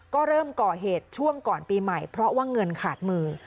ก็เริ่มก่อเหตุช่วงก่อนปีใหม่เพราะว่าเงินขาดมือ